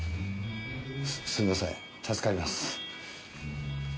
すみません助かります。